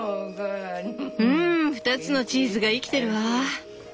うん２つのチーズが生きてるわ。